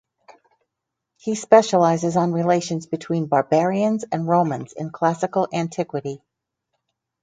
He specializes on relations between "barbarians" and Romans in classical antiquity.